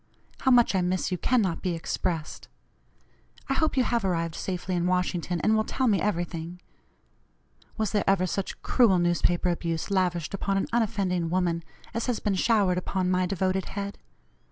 How much I miss you cannot be expressed. I hope you have arrived safely in Washington, and will tell me everything. Was there ever such cruel newspaper abuse lavished upon an unoffending woman as has been showered upon my devoted head?